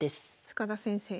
塚田先生